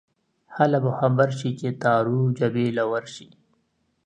هله به خبر شې چې تارو جبې له ورشې